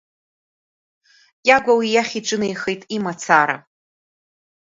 Кьагәа уи иахь иҿынеихеит имацара.